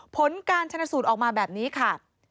ผลการชนสูตรออกมาแบบนี้ค่ะ